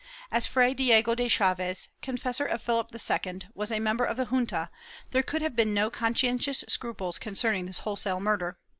^ As Fray Diego de Chaves, confessor of PhiHp II, was a member of the junta, there could have been no conscientious scruples concerning this wholesale murder.